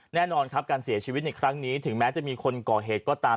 แน่นอนครับการเสียชีวิตในครั้งนี้ถึงแม้จะมีคนก่อเหตุก็ตาม